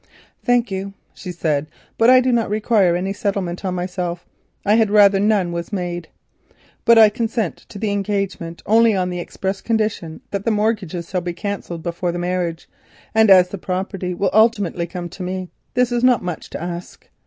"Thank you," she said, "but I do not require any settlement on myself; I had rather none was made; but I consent to the engagement only on the express condition that the mortgages shall be cancelled before marriage, and as the property will ultimately come to me, this is not much to ask.